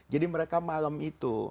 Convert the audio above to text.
jadi mereka malam itu